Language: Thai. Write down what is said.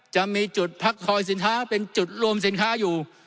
จะมีจุดพักคอยสินค้าเป็นจุดรวมสินค้าอยู่